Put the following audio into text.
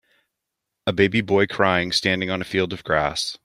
A baby boy crying standing on a field of grass.